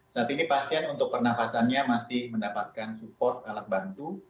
saat ini pasien untuk pernafasannya masih mendapatkan support alat bantu